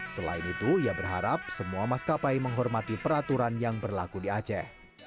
selain itu ia berharap semua maskapai menghormati peraturan yang berlaku di aceh